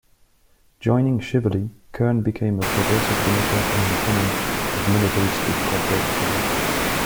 Joining Shively, Kern became a progressive Democrat and an opponent of monopolistic corporate power.